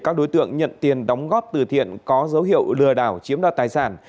các đối tượng nhận tiền đóng góp từ thiện có dấu hiệu lừa đảo chiếm đoạt tài sản